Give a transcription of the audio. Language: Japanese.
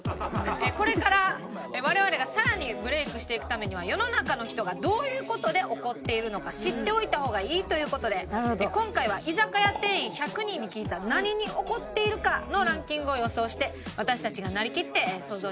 これから我々が更にブレークしていくためには世の中の人がどういう事で怒っているのか知っておいた方がいいという事で今回は居酒屋店員１００人に聞いた何に怒っているか？のランキングを予想して私たちがなりきって想像で怒ります。